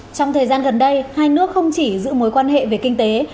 trong thời gian gần đây hai nước không chỉ giữ mối quan hệ về kinh tế